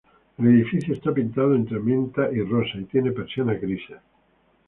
El edificio está pintado entre menta y rosa y tiene persianas grises.